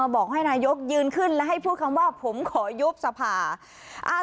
บอกให้นายกยืนขึ้นและให้พูดคำว่าผมขอยุบสภา